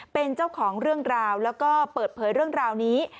เป็นเจ้าของเรื่องราวแล้วก็เปิดเผยเรื่องราวนี้